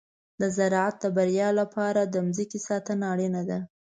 د زراعت د بریا لپاره د مځکې ساتنه اړینه ده.